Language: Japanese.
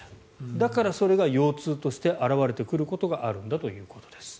だからそれが腰痛として現れてくることがあるんだそうです。